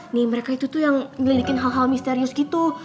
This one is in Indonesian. nih mereka itu tuh yang ngelidikin hal hal misterius gitu